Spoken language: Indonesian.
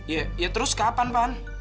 iya ya terus kapan pan